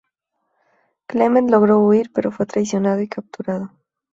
Clement logró huir pero fue traicionado y capturado.